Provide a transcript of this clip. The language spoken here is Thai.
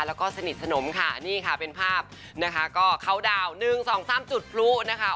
แล้วก็สนิทสนมค่ะนี่ค่ะเป็นภาพนะคะก็เขาดาวน์๑๒๓จุดพลุนะคะ